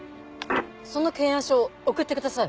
その検案書送ってください。